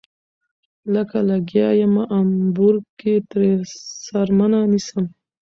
لکه لګيا يمه امبور کښې ترې څرمنه نيسم